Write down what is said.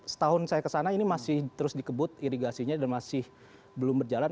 setahun saya kesana ini masih terus dikebut irigasinya dan masih belum berjalan